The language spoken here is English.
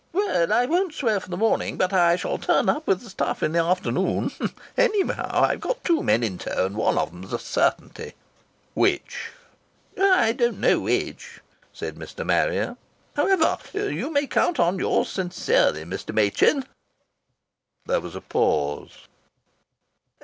"Well, I won't swear for the morning, but I shall turn up with the stuff in the afternoon, anyhow. I've two men in tow, and one of them's a certainty." "Which?" "I don't know which," said Mr. Marrier. "How evah, you may count on yours sincerely, Mr. Machin." There was a pause.